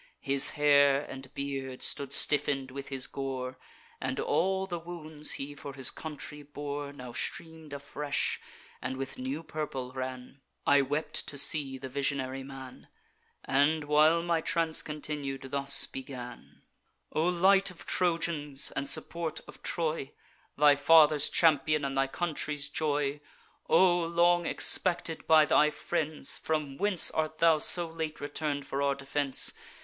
His hair and beard stood stiffen'd with his gore; And all the wounds he for his country bore Now stream'd afresh, and with new purple ran. I wept to see the visionary man, And, while my trance continued, thus began: 'O light of Trojans, and support of Troy, Thy father's champion, and thy country's joy! O, long expected by thy friends! from whence Art thou so late return'd for our defence?